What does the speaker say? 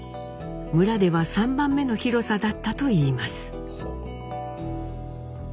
村では３番目の広さだったといいます。